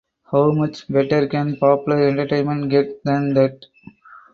How much better can popular entertainment get than that?